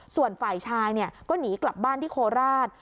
ส่วนฝ่ายชายก็หนีกลับบ้านที่โคราช